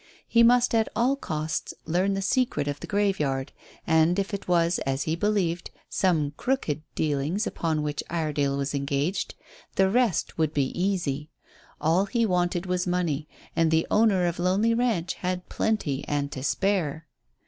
He must at all costs learn the secret of the graveyard, and if it was, as he believed, some "crooked" dealings upon which Iredale was engaged, the rest would be easy. All he wanted was money, and the owner of Lonely Ranch had plenty and to spare.